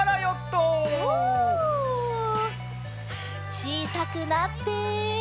ちいさくなって。